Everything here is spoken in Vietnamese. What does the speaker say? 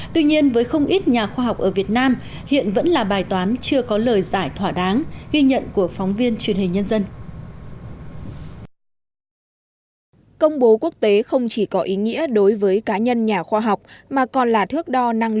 tuy nhiên với không ít nhà khoa học ở việt nam hiện vẫn là bài toán chưa có lời giải thỏa đáng ghi nhận của phóng viên truyền hình nhân dân